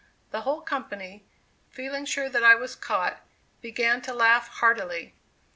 The whole company, feeling sure that I was caught, began to laugh heartily.